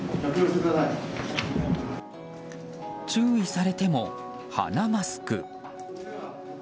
注意されても鼻マスク。